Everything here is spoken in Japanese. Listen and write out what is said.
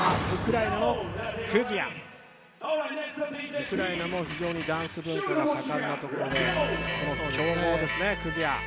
ウクライナも非常にダンス文化が盛んなところで強豪ですね、Ｋｕｚｙａ。